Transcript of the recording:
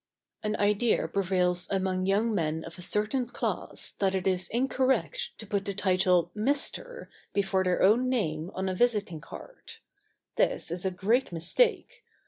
An idea prevails among young men of a certain class that it is incorrect to put the title "Mr." before their own name on a visiting card. This is a great mistake.